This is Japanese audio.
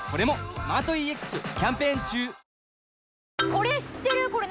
これ知ってる。